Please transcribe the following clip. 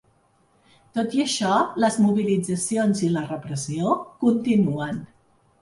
Tot i això, les mobilitzacions i la repressió continuen.